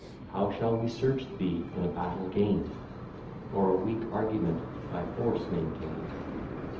How shall we search Thee in a battle gain'd, Or a weak argument by force maintain'd?